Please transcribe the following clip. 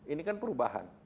ini kan perubahan